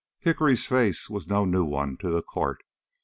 HICKORY'S face was no new one to the court.